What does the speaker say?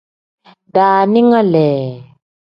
Daaninga lee.